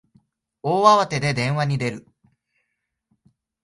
大慌てで電話に出る